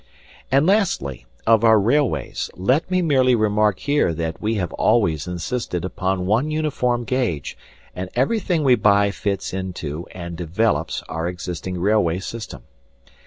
And lastly, of our railways, let me merely remark here that we have always insisted upon one uniform gauge and everything we buy fits into and develops our existing railway system.